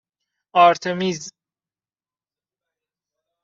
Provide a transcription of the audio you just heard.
آرتمیز